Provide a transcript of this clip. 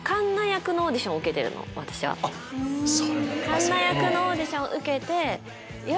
カンナ役のオーディションを受けて。